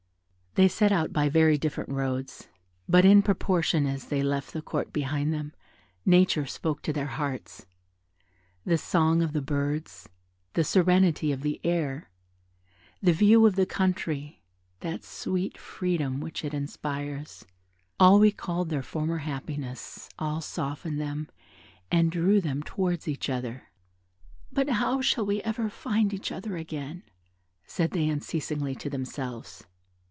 They set out by very different roads; but in proportion as they left the Court behind them, nature spoke to their hearts. The song of the birds, the serenity of the air, the view of the country, that sweet freedom which it inspires, all recalled their former happiness, all softened them, and drew them towards each other. "But how shall we ever find each other again," said they unceasingly to themselves.